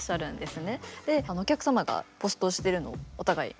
でお客様がポストしてるのをお互い見て。